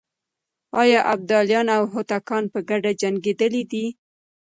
آيا ابداليان او هوتکان په ګډه جنګېدلي دي؟